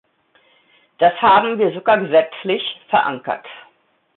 Das haben wir sogar gesetzlich verankert.